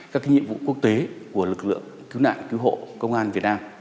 các nhiệm vụ quốc tế của lực lượng cứu nạn cứu hộ công an việt nam